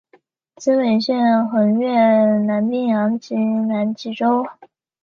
此纬线横越南冰洋及南极洲。